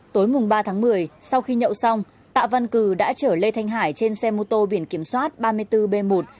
tối mùng ba tháng một mươi sau khi nhậu xong tạ văn cử đã chở lê thanh hải trên xe mô tô biển kiểm soát ba mươi bốn b một sáu mươi chín nghìn ba trăm bốn mươi hai